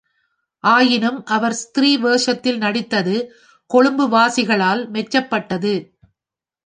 ஆயினும் அவர் ஸ்திரீ வேஷத்தில் நடித்தது கொழும்புவாசிகளால் மெச்சப்பட்டது.